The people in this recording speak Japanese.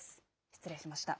失礼しました。